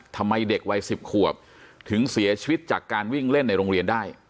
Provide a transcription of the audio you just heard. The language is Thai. ทำไมเด็กวัย๑๐ขวบถึงเสียชีวิตจากการวิ่งเล่นในโรงเรียนได้